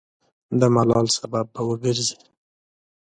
د ملال سبب به وګرځي.